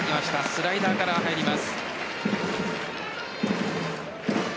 スライダーから入ります。